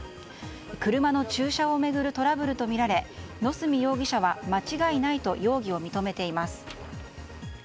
車の駐車を巡るトラブルとみられ野角容疑者は間違いないと容疑を認めています。